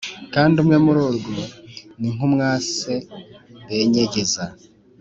kandi umwe muri rwo ni nk’umwase benyegeza